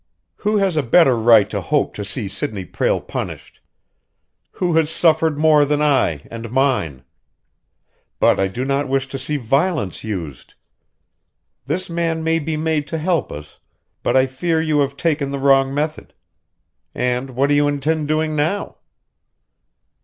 "Who has a better right to hope to see Sidney Prale punished? Who has suffered more than I and mine? But I do not wish to see violence used. This man may be made to help us, but I fear you have taken the wrong method. And what do you intend doing now?"